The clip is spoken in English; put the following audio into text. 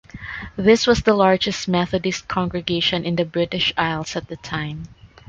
This was the largest Methodist congregation in the British Isles at the time.